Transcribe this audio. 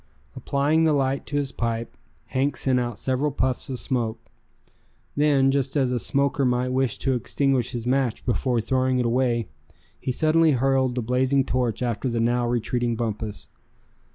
Applying the light to his pipe, Hank sent out several puffs of smoke. Then, just as a smoker might wish to extinguish his match before throwing it away, he suddenly hurled the blazing torch after the now retreating Bumpus.